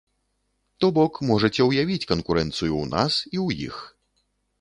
То бок, можаце ўявіць канкурэнцыю ў нас, і ў іх.